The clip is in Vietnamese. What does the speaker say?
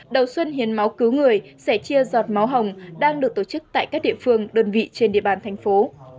đầu xuân hiến máu cứu người sẽ chia giọt máu hồng đang được tổ chức tại các địa phương đơn vị trên địa bàn thành phố